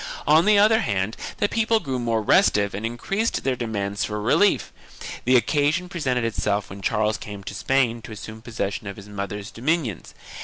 2 On the other hand the people grew more restive and increased their demands for relief. The occasion presented itself when Charles came to Spain to assume possession of his mother's dominions.